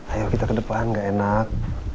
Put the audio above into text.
ayo kita ke depan gak enak